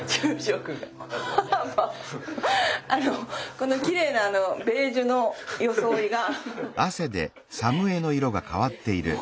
このきれいなベージュの装いが。